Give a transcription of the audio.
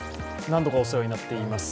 なんどかお世話になっています